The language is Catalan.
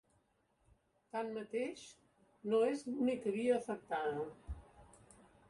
Tanmateix, no és l’única via afectada.